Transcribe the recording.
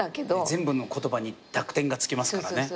全部の言葉に濁点がつきますからね。